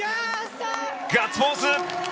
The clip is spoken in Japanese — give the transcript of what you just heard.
ガッツポーズ！